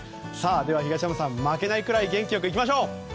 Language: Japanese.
では東山さん、負けないくらい元気よく参りましょう。